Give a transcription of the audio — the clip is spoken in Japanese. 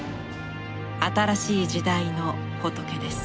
新しい時代の仏です。